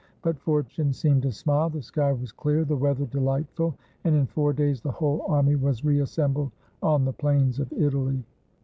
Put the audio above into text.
But fortune seemed to smile. The sky was clear, the weather delightful, and in four days the whole army was reassembled on the plains of Italy.